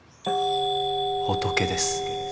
仏です。